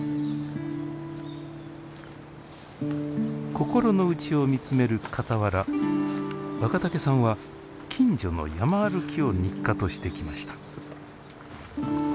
心の内を見つめるかたわら若竹さんは近所の山歩きを日課としてきました。